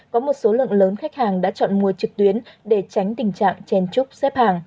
có một số lượng lớn khách hàng đã chọn mua trực tiếp